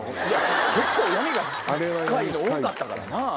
結構闇が深いの多かったからな。